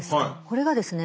これがですね